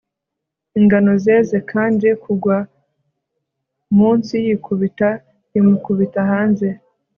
ingano zeze; kandi, kugwa munsi yikubita rimukubita hanze